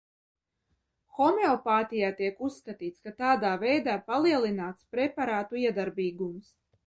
Homeopātijā tiek uzskatīts, ka tādā veidā palielināts preparātu iedarbīgums.